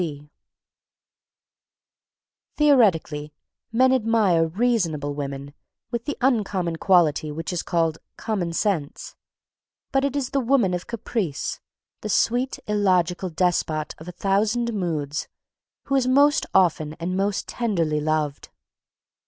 [Sidenote: Portia and Carmen] Theoretically, men admire "reasonable women," with the uncommon quality which is called "common sense," but it is the woman of caprice, the sweet, illogical despot of a thousand moods, who is most often and most tenderly loved.